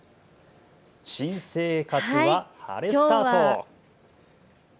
新生活は晴れでスタート。